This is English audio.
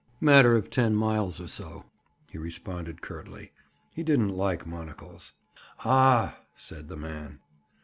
"Matter of ten miles or so," he responded curtly. He didn't like monocles. "Aw!" said the man.